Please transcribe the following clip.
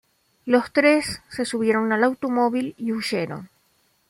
Los tres se subieron al automóvil y huyeron.